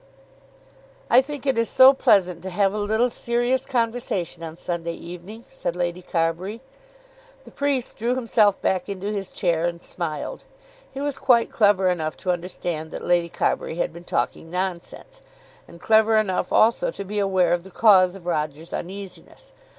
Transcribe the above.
"I think it is so pleasant to have a little serious conversation on Sunday evening," said Lady Carbury. The priest drew himself back into his chair and smiled. He was quite clever enough to understand that Lady Carbury had been talking nonsense, and clever enough also to be aware of the cause of Roger's uneasiness.